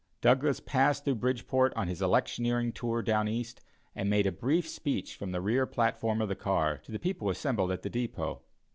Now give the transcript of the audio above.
Douglas passed through Bridgeport on his electioneering tour down East, and made a brief speech from the rear platform of the car, to the people assembled at the depot.